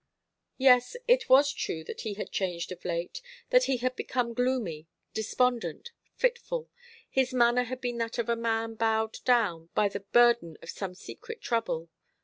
Yes, it was true that he had changed of late that he had become gloomy, despondent, fitful. His manner had been that of a man bowed down by the burden of some secret trouble.